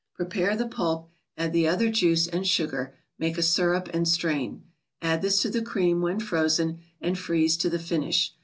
Prepare the pulp, add the other juice and sugar, make a syrup, and strain. Add this to the cream when frozen, and freeze to the finish.